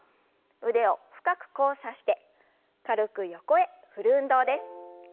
腕を深く交差して軽く横へ振る運動です。